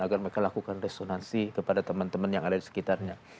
agar mereka lakukan resonansi kepada teman teman yang ada di sekitarnya